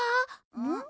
うん？